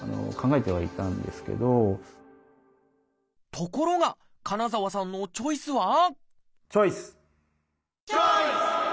ところが金澤さんのチョイスはチョイス！